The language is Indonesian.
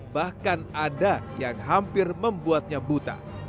bahkan ada yang hampir membuatnya buta